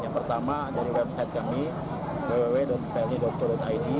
yang pertama dari website kami www plni co id